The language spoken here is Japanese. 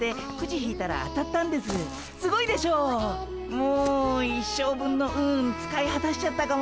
もう一生分の運使いはたしちゃったかも。